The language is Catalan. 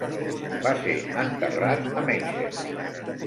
Va ser enterrat a Meissen.